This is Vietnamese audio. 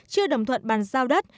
chưa đồng thuận bàn giao đất